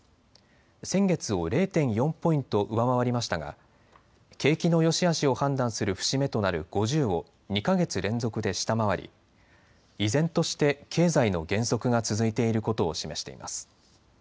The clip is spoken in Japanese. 先月を０．４ポイント上回りましたが景気のよしあしを判断する節目となる５０を２か月連続で下回り依然として経済の減速が続いていることを示しています。